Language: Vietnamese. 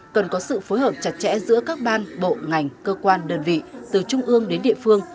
cần có sự phối hợp chặt chẽ giữa các ban bộ ngành cơ quan đơn vị từ trung ương đến địa phương